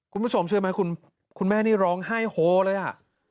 คุณผู้ชมเชื่อไหมคุณแม่นี่ร้องไห้โฮเลยอ่ะ